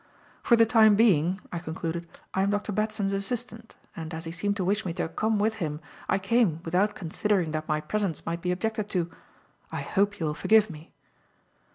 "For the time being," I concluded, "I am Dr. Batson's assistant, and, as he seemed to wish me to come with him, I came without considering that my presence might be objected to. I hope you will forgive me."